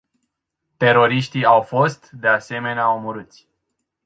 Teroriștii au fost, de asemenea, omorâți.